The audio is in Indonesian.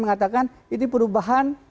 mengatakan ini perubahan